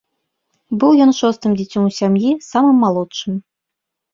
Быў ён шостым дзіцём у сям'і, самым малодшым.